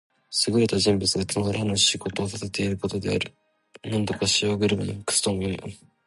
優れた人物がつまらぬ仕事をさせらていることである。「驥、塩車に服す」とも読む。